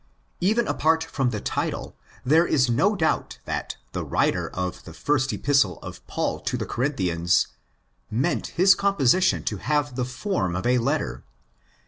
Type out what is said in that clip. Even apart from the title, there is no doubt that the writer of ''the first Epistle of Paul to the Corinthians'' meant his composition to have the form of a letter.